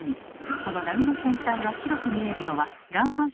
この波の先端が白く見えるのは乱反射の影響。